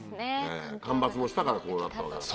間伐もしたからこうなったわけだからね。